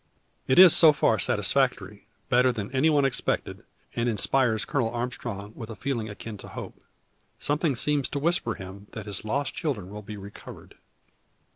It is so far satisfactory, better than any one expected; and inspires Colonel Armstrong with a feeling akin to hope. Something seems to whisper him his lost children will be recovered.